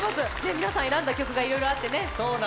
皆さん選んだ曲がいろいろあってね。